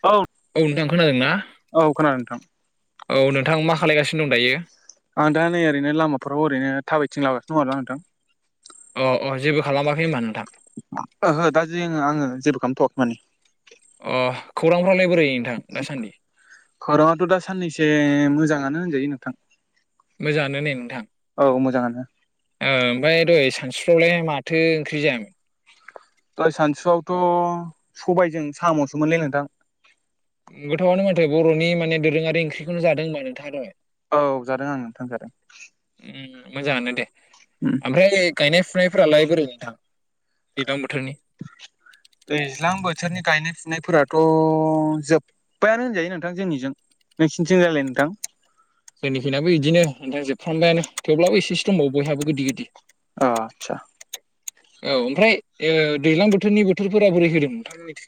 औ औ नोंथां खोनादोंनाा औ खोनादों नोंथां औ नोंथां मा खालायगासिनो दं दायो? आं दा नै ओरैनो लामफोरावओरैनो थाबायथिं लागासिनो आरोना नोंथां। अ अ जेबो खालामाखै होनबा नोंथां? ओहो दा जे आङो जेबो खालामथ'वाखै माने। अ खौरांफ्रालाय बोरै नोंथां दासान्दि? खौराङाथ' दा साननैसो मोजाङानो होनजायो नोंथां। मोजानो नै नोंथां। औ मोजाङानो ओ ओमफ्राय दै सानसुफ्रावलाय माथो ओंख्रि जायामोन? दहाय सानसुआवथ' सबायजों साम'सो मोनलै नोंथां। गोथावनो माथो बर'नि माने दोरोङारि ओंख्रिखौनो जादों होनबा नोंथाङा दहाय। औ जादों आं नोंथां जादों। उम मोजाङानो दे। उम ओमफ्राय गायनाय फुनायफ्रालाय बोरै नोंथां दैज्लां बोथोरनि? दैज्लां बोथोरनि गायनाय फुनायफोराथ' जोब्बायानो होनजायो नोंथां जोंनिजों। नोंसिनिथिं जायलाय नोंथां? जोंनिखिनाबो इदिनो नओथां जोबफ्रामबायानो थेवब्लाबो एसे एसे दंबावो बयहाबो गोदि गोदि। अ आतसा। औ ओमफ्राय दैज्लां बोथोरनि बोथोरफोरा बोरै होदों नोंथांनि?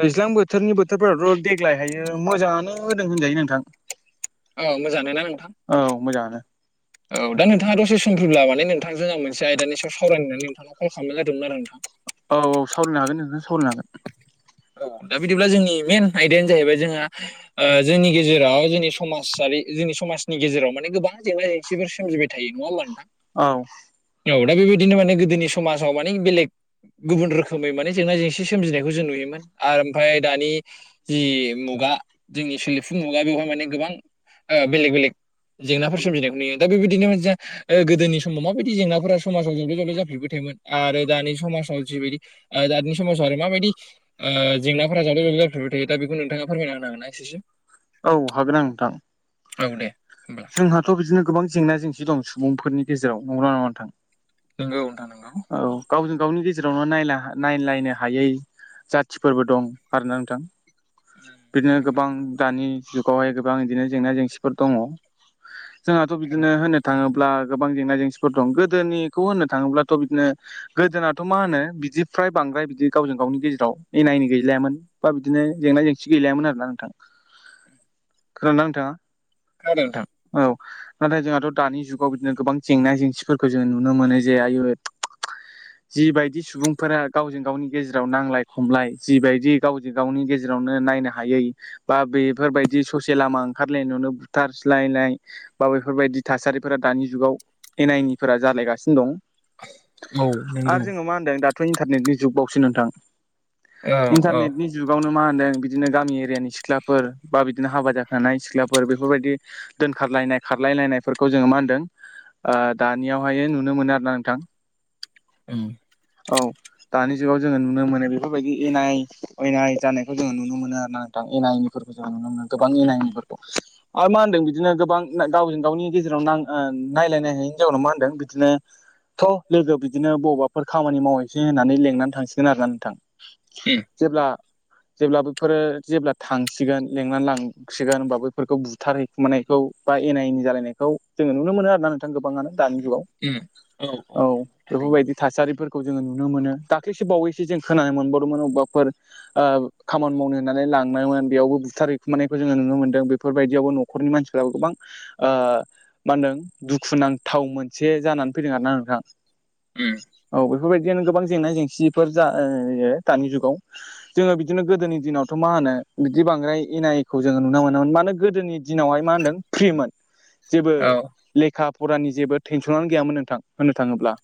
दैज्लां बोथोरनि बोथोरफोराथ' देग्लाय हायो मोजाङानो होदों होनजायो नोंथां। अ मोजाङानो ना नोंथां? औ मोजाङानो। औ दा नोंथाङा दसे सम फ्रिब्ला माने नोंथां जोंहा मोनसे आयदानि सायाव सावरायनानै नोंथांनाव कल खालामनाय जादोंमोन आरो नोंथां। औ औ सावरायनो हागोन नोंथां सावरायनो हागोन। औ दा बिदिब्ला जोंनि मेन आयदायानो जाहैबाय जोंहा जोंनि गेजेराव जोंनि समाजारि जोंनि समाजनि गेजेराव माने गोबां जेंना जा सेफोर सोमजिबाय थायो नङा होमब्ला नोंथां? औ औ दा बेबायदिनो माने गोदोनि समाजाव मानि बेलेग गुबुन रोखोमै माने जेंना जेंसि बिदि सोमजिनायखौ जों नुयोमोन आरो ओमफ्राय दानि जि मुगा जोंनि सोलिफु मुगा बेवहाय माने गोबां बेलेग बेलेग जेंनाफोर सोमजिनायखौ नुयो दा बेबायदिनो माने जा ओ गोदोनि समाव माबायदि जेंनाफोरा समाजाव जब्ले जब्ले जाफिरबाय थोयोमोन आरो दानि समाजाव जिबायदि ओ [unintelligible] [unintelligible] आरो माबायदि ओ जेंनाफोरा जावले जावले जाफेरबाय थायो दा बेखौ नोंथाङा फोरमायना होनो हांगोना एसे सिम औ हागोन आं नोंथां। औ दे होमब्ला जोंहाथ' बिदिनो गोबां जेंना जेंसि दं सुबुंफोरनि गेजेराव नंना नङा नोंथां? नंगौ नोंथां नंगौ। औ गावजों गावनि गेजेरावनो नायलायनो हायै जाथिफोरबो दं आरोना नोंथां। बिदिनो गोबां दानि जुगावहाय गोबां बिदिनो जेंना जेंसिफोर दङ। जोंहाथ' औ बिदिनो होनो थाङोब्ला गोबां जेंना जेंसिफोर दं गोदोनिखौ होननो थाङोब्लाथ' बिदिनो गोदोनाथ' मा होनो बिदि फ्राय बांद्राय बिदि गावजों गावनि गेजेराव एना एनि गैलायामोन। बा बिदिनो जेंना जेंसि गैलायामोन आरोना नोंथां खोनादोंना नोंथाङा? खोनादों नोंथां। औ नाथाय जोंहाथ' दानि जुगाव बिदिनो गोबां जेंना जेंसिफोरखौ जोङो नुनो मोनो जे आयु [inaudible] जिबायदि सुबुंफोरा गावजों गावनि गेजेराव नांलाय खमलाय जिबायदि गावजों गावनि गेजेराव नायनो हायै बा बेफोरबायदि ससे लामा ओंखारलायनायावनो बुथारसलायलनाय बा बेफोरबायदि थासारिफोरा दानि जुगाव एनानिफोरा जालायगासिनो दं। औ नंगौ आरो जोङो मा होनदों दाथ' इन्टारनेटनि जुग बावसो नोंथां औ औ इन्टारनेटनि जुगावनो मा होनदों बिदिनो गामि एरियानि सिख्लाफोर बा बिदिनो हाबा जाखानाय सिख्लाफोर बेफोरबायदि दोनखारलायनाय खारलायलायनायफोरखौ जोङो मा होनदों दानियावहाय नुनो मोनो आरो ना नोंथां उम औ दानि जुगाव जोङो नुनो मोनो बेफोरबायदि एनाय अयनाय जानायखौ जों नुनो मोनो आरो ना नोंथां एना एनि फोरखौ जों नुनो मोनो गोबां एना एनि फोरखौ। [inaudible] आरो मा होनदों बिदिनो गोबां गावजों गावनि गेजेराव नायलायनो हायैनि जाउनाव मा होनदों बिदिनो थ' लोगो बिदिनो बबावबाफोर खामानि मावहैसै होननानै लेंनानै थांसिगोन आरोना नोंथां। उम जेब्ला जेब्ला बैफोरो जेब्ला थांसिगोन लेंनानै लांसिगोन होनोमबा बैफोरखौ बुथारहै मोननायखौ बा एना एनि जालायनायखौ जोङो नुनो मोनो आरोना नोंथां गोबाङानो दानि जुगाव। उ औ औ नंगौ। थारैनो बेफोरबायदि थासारिफोरखौ जोङो नुनो मोनो दाख्लैसो बावैसो जों खोनानो मोनबावदोंमोन अबेबाफोर [unintelligible] खामानि मावनो होननानै लांनायमोन बेयावबो बुथारैखुमानायखौ जोङो नुनो मोन्दों बेफोरबायदियावबो न'खरनि मानसिफ्राबो गोबां ओ मा होनदों दुखुुनांथाव मोनसे जानानै फैदों आरोना नोंथां। उम। औ बेफोरबायदियानो गोबां जेंना जेंसिफोर जायो दानि जुगाव जोङो बि बिदिनो गोदोनि दिनावथ' मा होनो बिदि बांद्राय इनायखौ जोङो नुनो मोनोमोन मानो गोदोनि दिनावहाय मा होनदों फ्रिमोन [inaudible] जेबो लेखा फरानि जेबो टेनसननानो गैयामोन नोंथां होननो थाङोब्ला।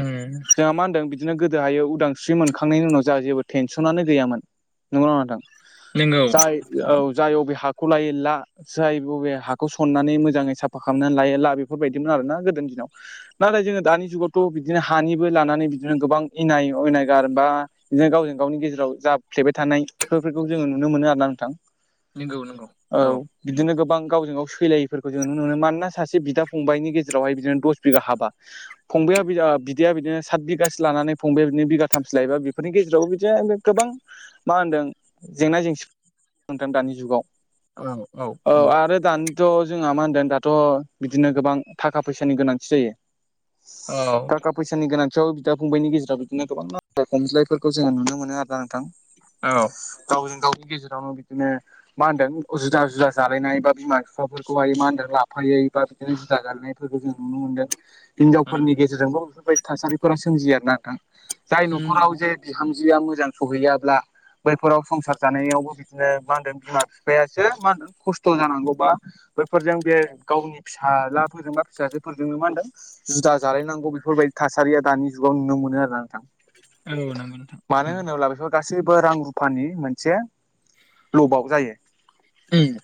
उम मा होनदों बिदिनो गोदोहाय उदांस्रि मोनखांनायनि उनाव जोंहा जेबो टेनसनानो गैयामोन। नंगौ ना नंआ नोंथां? नोंगौ। जाय औ जाय अबे हाखौ लायो ला। जाय बबे हाखौ सननानै मोजाङै साफा खालामनानै लायो ला बेफोरबायदिमोन आर ना गोदोनि दिनाव। नाथाय जोङो दानि जुगावथ' बिदिनो हानिबो लानानै बिदिनो गोबां इनाय अनायगार बा बिदिनो गावजों गावनि गेजेराव जाफ्लेबाय थानाय बेफोरखौ जोङो नुनो मोनो आरो ना नोंथां। नंगौ नंगौ औ नंगौ बिदिनो गोबां गावजों गाव सैलायि फोरखौ जों नुनो मोनो मानोना सासे बिदा फंबायनि गेजेरावहाय बिदिनो दस बिघा हाबा फंबाया बिद आ बिदाया बिदिनो सात बिगासो लानानै फंबाया बिदिनो बिगाथामसो लायोबा बेफोरनि गेजेरावबो बिदिनो गोबां मा होनदों जेंना [inaudible] दानि जुगाव औ आरो दानि थ' जोंहा मा होनदों दाथ' बिदिनो गोबां थाखा फैसानि गोनांथि जायो। औ थाखा फैसानि गोनांथियाव बिदा फंबायनि गेजेराव बिदिनो गोबां नांज्लाय खमज्लायफोरखौ जोङो नुनो मोनो आरो ना नोंथां। औ गाव गावनि गेजेरावनो बिदिनो मा होनदों जुदा जुदा जालायनाय बा बिमा बिफाफोरखौहाय मा होनदों लाफायो बा बिदिनो जुदा गारनायफोरखौ जों नुनो मोन्दों। उम हिनजावफोरनि गेजेरजोंबो बेफोरबायदि थासारिफोरा सोमजियो आरोना नोंथां जाय न'खराव उम जे बिहामजोआ मोजां सहैया ब्ला बैफोराव संसार जानायावबो बिदिनो मा होनदों बिमा बिफायासो मा होनदों खस्थ' जानांगौबा बैफोरजों बे गावनि फिसाज्लाफोरजों बा फिसाजोफोरजोंनो मा होनदों जुदा जालायनांगौ बेफोरबायदि थासारिया दानि जुगाव नुनो मोनो आरो ना नोंथां। नंगौ औ नंगौ नोंथां मानो नंगौ होनोब्ला बे गासैबो रां रुफानि मोनसे लबाव जायो। उम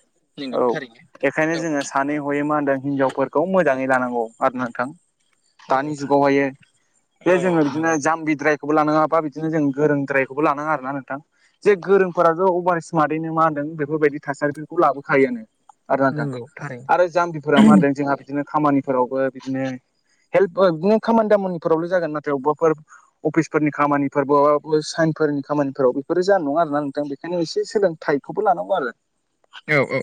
औ नंगौ थारैनो एखायनो जोङो सानै हयै मा होनदों हिनजावफोरखौ मोजाङै लानांगौ आरो ना नोंथां। औ नंगौ दानि जुगावहायो जे थारैनो औ जोङो बिदिनो नंगौ जाम्बिद्राय खौबो लानाङा बा बिदिनो जों गोरोंद्रायखौबो लानाङा आरो ना नोंथां। जे गोरोंफोरा अभार स्मार्टैनो मा होनदों बेफोरबायदि थासारिखौ लाबोखायोआनो। आरो ना नोंथां नंगौ थारैनो आरो जाम्बिफोरा मा होनदों जोंहा बिदिनो खामानिफोरावबो बिदिनो हेल्प ओ बिदिनो खामानि दामानिफोरावल' जागोन नाथाय बबावबाफोर अफिसफोरनि खामानिफोरबाबो साइन फोरनि खामानिफोराव बेफोरो जानाय नङा आरोना नोंथां बेनिखायनो एसे सोलोंथाइखौबो लानांगौ आरो औ औ औ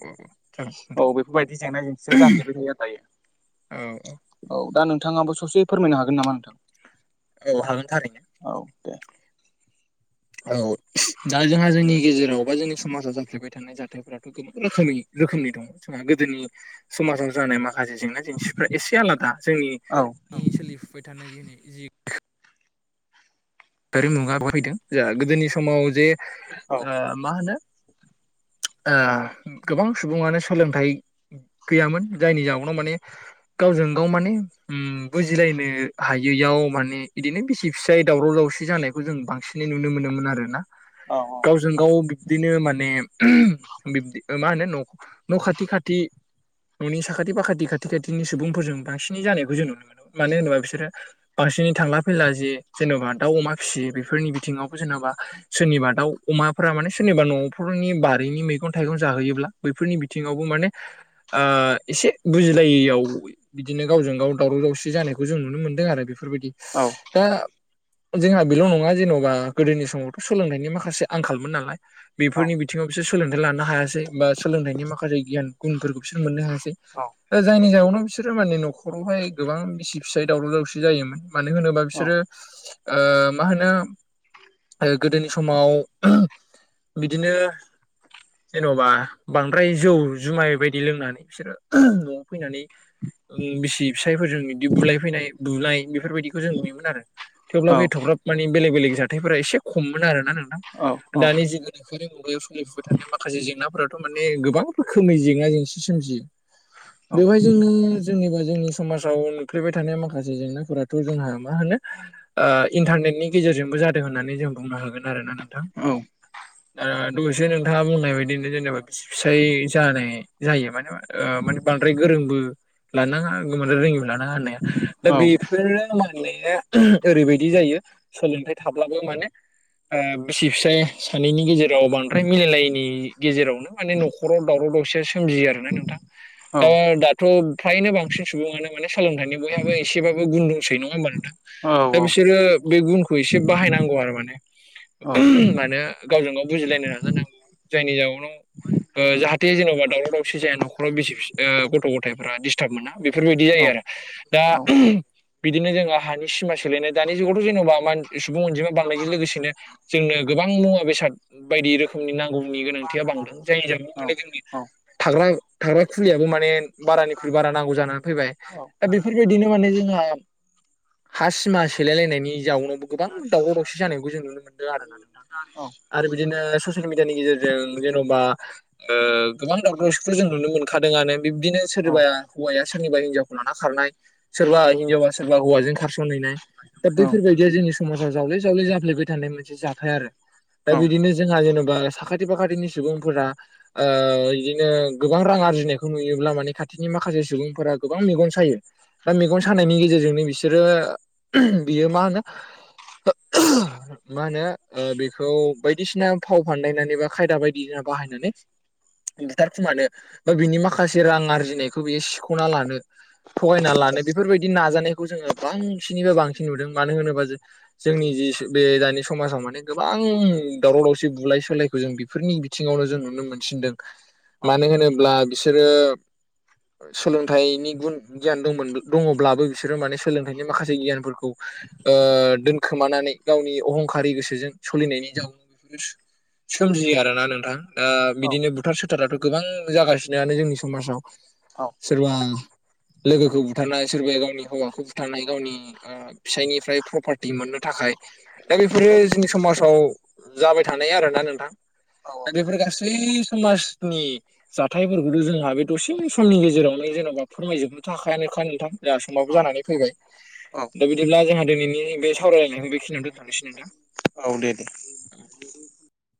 जागोन औ नोंथां बेफोरबायदि जेंना जेंसिआ जाफ्लेबाय थायो आरो औ दायो। औ दा नोंथाङाबो ससे फोरमायनो हागोन नामा नोंथां। औ हागोन थारैनो औ दे औ दा जोंहा जोंनि गेजेराव बा जोंनि समाजाव जाफ्लेबाय थानाय जाथायफोराथ' गोबां रोखोमै रोखोमनि दङ जोंहा गोदोनि समाजाव जानाय माखासे जेंना जेंसिफ्रा एसे आलादा जोंनि औ नि सोलिफुबाय थानाय जोंनि जि दारिमुगा फैदों जा गोदोनि समाव जे औ ओ मा होनो ओ गोबां सुबुङानो सोलोंथाइ गैयामोन जायनि जाउनाव माने गावजों गाव माने उम बुजिलायनो हायैयाव माने इदिनो बिसि फिसाय दावराव दावसि जानायखौ जों बांसिनै नुनो मोनोमोन आरो ना औ गावजों गाव दिनो माने बिब्दि मा होनो न' न' खाथि खाथि न'नि साखाथि फाखाथि खाथि खाथिनि सुबुंफोरजों बांसिनै जानायखौ जों नुनो मोनो मानो होनोबा बिसोरो बांसिनै थांला फैला जे जेन'बा दाउ अमा फिसियो बेफोरनि बिथिङावबो जेन'बा सोरनिबा दाउ अमाफोरा माने सोरनिबा न'फोरनि बारिनि मैगं थाइगं जाहैयोब्ला बैफोरनि बिथिङावबो माने ओ एसे बुजिलायैयाव बिदिनो गावजों गाव दावराव दावसि जानायखौ जों नुनो मोन्दों आरो बेफोरबायदि औ दा जोंहा बेल' नङा जेन'बा गोदोनि समावथ' सोलोंथाइनि माखासे आंखालमोन नालाय। बेफोरनि बिथिङाव बिसोर सोलोंथाइ लानो हायासै बा सोलोंथाइनि माखासे गियान गुनफोरखौ बिसोर मोननो हायासै। औ औ। दा जायनि जाहोनाव बिसोरो माने न'खरावहाय गोबां बिसि फिसाय दावराव दावसि जायोमोन। मानो होनोबा औ बिसोरो ओ मा होनो ओ गोदोनि समाव बिदिनो जेन'बा बांद्राय जौ जुमाय बायदि लोंनानै बिसोरो न'आव फैनानै बिसि फिसायफोरजों बिदि बुलाय फैनाय बुलाय बेफोरबायदिखौ जों नुयोमोन आरो। थेवब्लाबो एथ'ग्राब माने बेलेग बेलेग जाथायफोरा एसे खममोन आरोना नोंथां। दानि जुग गोनोखोआरि मुगायाव सोलिफुबाय थानाय माखासे जेंनाफोराथ' माने गोबां रोखोमनि जेंना जेंसि सोमजियो। बेवहाय जोंनि जेनेबा जोंनि समाजाव नुफ्लेबाय थानाय माखासे जेंनाफोराथ' जोंहा मा होनो ओ इन्टारनेटनि गेजेरजोंबो जादों होननानै जों बुंनो हागोन आरो ना नोंथां। ओ दहायसो नोंथाङा बुंनाय बायदिनो जेनेबा बिसि फिसाय जानाय जायो माने मा ओ माने बांद्राय गोरोंबो लानाङा, माने रोङिबो लानाङा होननाया। दा बेफोरो माने ओरैबायदि जायो सोलोंथाइ थाब्लाबो माने ओ बिसि फिसाय सानैनि गेजेराव बांद्राय मिलायलायिनि गेजेरावनो माने न'खराव दावराव दावसिया सोमजियो आरोना नोंथां। दा थ' फ्रायनो बांसिन सुबुङानो माने सोलोंथाइनि बयहाबो एसेबाबो गुन दंसै नङा होमबा नोंथां? दा बिसोरो बे गुनखौ एसे बाहायनांगौ आरो माने मानो गावजों गाव बुजिलायनो नाजानांगौ जायनि जाउनाव ओ जाहाते जेनेबा दावराव दावसि जाया नख'राव बिसि फि गथ' गथायफोरा डिस्ताब मोना बेफोरबायदि जायो आरो। दा बिदिनो जोङो हानि सिमा सेलायनाय दानि जुगावथ' जेन'बा मा सुबुं अनजिमा बांनायजों लोगोसेनो जोंनो गोबां मुवा बेसाद बायदि रोखोमनि नांगौनि गोनांथिया बांदों जायनि जाहोनाव दिनै जोंनि थाग्रा थाग्रा खुलियाबो माने बारानिख्रुइ बारा नांगौ जानानै फैबाय। दा बेफोरबायदिनो माने जोंहा हा सिमा सेलायलायनायनि जाउनावबो गोबां दावराव दावसि जानायखौ जों नुनो मोनदों आरोना नोंथां। आरो बिदिनो ससियेल मिडियानि गेजेरजों जेन'बा ओ गोबां दावराव दावसिखौ जों नुनो मोनखादोंआनो बिब्दिनो सोरबा हौवाया सोरनिबा हिनजावखौ लाना खारनाय सोरबा हिनजावा सोरबा हौवाजों खारस'नहैनाय दा बैफोरबायदिया जोंनि समाजाव जावले जावले जाफ्लेबाय थानाय मोनसे जाथाय आरो। दा बिदिनो जोंहा जेनेबा साखाथि फाखाथिनि सुबुंफोरा ओ इदिनो गोबां रां आरजिनायखौ नुयोब्ला माने खाथिनि माखासे सुबुंफोरा गोबां मेगन सायो। दा मेगन सानायनि गेजेरजोंनो बिसोरो बियो मा होनो [inaudible] मा होनो बेखौ बायदिसिना फाव फानदायनानै बा खायदा बायदिसिना बाहायनानै बुथारखुमानो बा बिनि माखासे रां आरजिनायखौ बियो सिख'ना लानो थगायना लानो बेफोरबायदि नाजानायखौ जोङो बांसिनैबो बांसिन नुदों, मानो होनोबा जों जोंनि जि बे दानि समाजाव माने गोबां दावराव दावसि बुलाय सोलाय जों बेफोरनि बिथिङावनो जों नुनो मोनसिनदों। मानो होनोब्ला बिसोरो सोलोंथाइनि गुन गियान दंमोन दङब्लाबो बिसोरो माने सोलोंथाइनि माखासे गियानफोरखौ दोनखोमानानै गावनि अहंखारि गोसोजों सोलिनायनि जाउनाव [inaudible] सोमजियो आरोना नोंथां। दा बिदिनो बुथार सुथाराथ' गोबां जागासिनोआनो जोंनि समाजाव। सोरबा लोगोखौ बुथारनाय, सोरबाया गावनि हौवाखौ बुथारनाय, गावनि ओ फिसायनिफ्राय प्रपार्टि मोननो थाखाय दा बेफोरो जोंनि समाजाव जाबाय थानाय आरोना नोंथां। दा बेफोर गासै समाजनि जाथायफोरखौथ' जोंहा बे दसे समनि गेजेरावनो जेन'बा फोरमायजोबनोथ हाखायानोखा नोंथां। जा समाबो जानानै फैबाय। दा बिदिब्ला जोंहा दिनैनि बे सावरायलायनायखौ बेखिनियाव दोन्थ'नोसै नोंथां। औ दे दे।